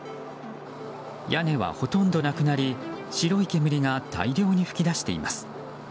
屋根はほとんどなくなり白い煙が大量に噴き出しています。